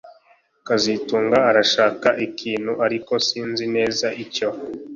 kazitunga arashaka ikintu ariko sinzi neza icyo